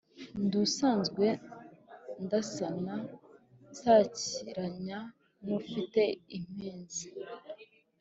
Ndi usanzwe ndasana nsakiranya, n’ufite impenzi,